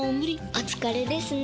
お疲れですね。